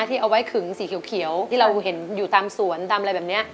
ที่เอาไว้ขึงสีเขียวที่เราเห็นอยู่ตามสวนตามอะไรแบบนี้